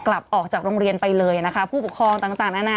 กลับออกจากโรงเรียนไปเลยนะคะผู้ปกครองต่างนานา